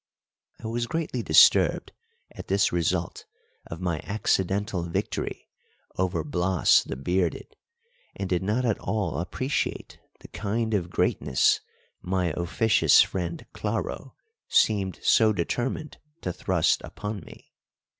I was greatly disturbed at this result of my accidental victory over Bias the Bearded, and did not at all appreciate the kind of greatness my officious friend Claro seemed so determined to thrust upon me.